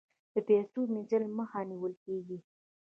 د پیسو مینځلو مخه نیول کیږي